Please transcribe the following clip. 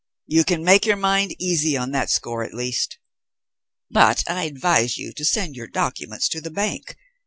"You can make your mind easy on that score, at least. But I advise you to send your documents to the bank.